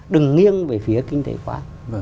đừng nghiêng về phía kinh tế quá